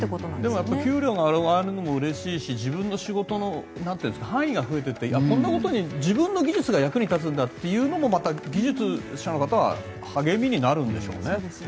でも給料が上がるのもうれしいし自分の仕事の範囲が増えていってこんなことに自分の技術が役に立つんだというのもまた、技術者の方は励みになるんでしょうね。